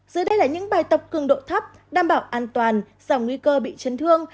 giờ đây là những bài tập cường độ thấp đảm bảo an toàn giảm nguy cơ bị chấn thương